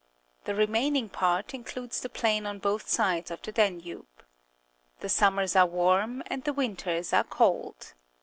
The remaining part includes the plain on both sides of the Danube. The summers are warm, and the winters are cold.